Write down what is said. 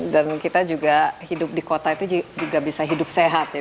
dan kita juga hidup di kota itu juga bisa hidup sehat ya